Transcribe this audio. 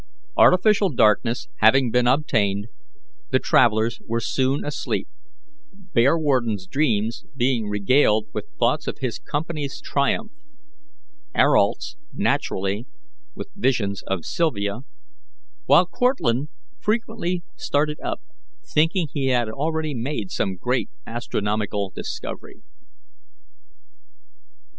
Artificial darkness having been obtained, the travellers were soon asleep, Bearwarden's dreams being regaled with thoughts of his company's triumph; Ayrault's, naturally, with visions of Sylvia; while Cortlandt frequently started up, thinking he had already made some great astronomical discovery.